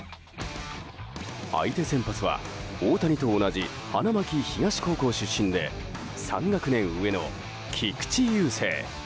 相手先発は大谷と同じ花巻東高校出身で３学年上の菊池雄星。